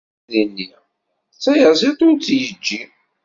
Izirdi-nni tayaziḍt ur tt-yeǧǧi.